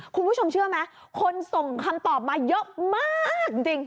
คุณผู้ชมเชื่อไหมคนส่งคำตอบมาเยอะมากจริง